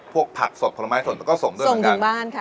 พวกผักสดผลไม้สดก็ส่งถึงบ้าน